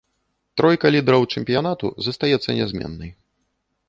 Тройка лідараў чэмпіянату застаецца нязменнай.